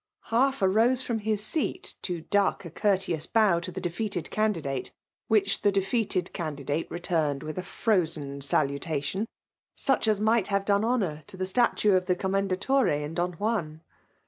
^ half arose from his seat, to duck a coiurteous lyow to the defeated candidate, which the defeated candidate returned with a £rozen 8alntation» Mich as might have done honour to the statue of the Commendaiore in Don Juan.